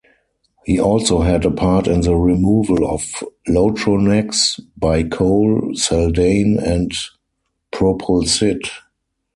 He also had a part in the removal of Lotronex, Baycol, Seldane, and Propulsid.